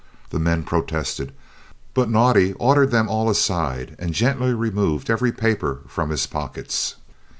The men protested, but Naudé ordered them all aside and gently removed every paper from his pockets.